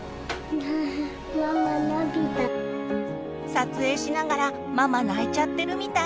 撮影しながらママ泣いちゃってるみたい。